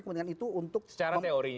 kepentingan itu untuk secara teori